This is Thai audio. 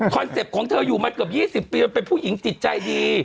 เป็ปต์ของเธออยู่มาเกือบ๒๐ปีมันเป็นผู้หญิงจิตใจดี